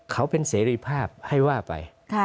เขาเป็นเสรีภาพให้ว่าไป